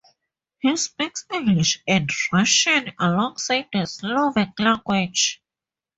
He speaks English and Russian alongside the Slovak language.